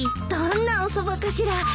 どんなおそばかしら